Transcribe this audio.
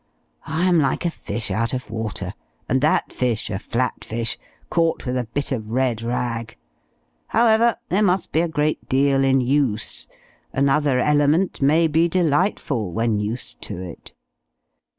I am like a fish out of water, and that fish, a flat fish caught with a bit of red rag; however, there must be a great deal in use another element may be delightful, when used to it.